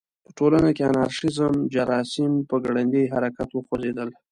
په ټولنه کې د انارشیزم جراثیم په ګړندي حرکت وخوځېدل.